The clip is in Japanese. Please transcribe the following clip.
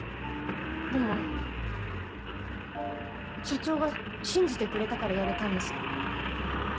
でも社長が信じてくれたからやれたんです。